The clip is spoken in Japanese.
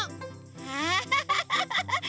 アハハハハハ